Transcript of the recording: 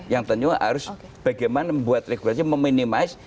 yang tentunya harus bagaimana membuat regulasi meminimasi